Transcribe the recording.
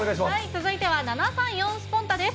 続いては、７３４スポンタっ！です。